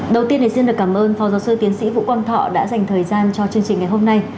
đầu tiên thì xin được cảm ơn phó giáo sư tiến sĩ vũ quang thọ đã dành thời gian cho chương trình ngày hôm nay